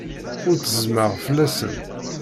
Ur ttezzmeɣ fell-asen.